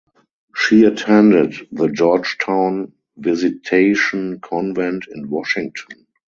She attended the Georgetown Visitation Convent in Washington.